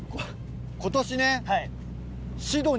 今年ね。